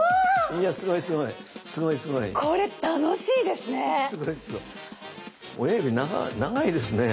これ楽しいですね！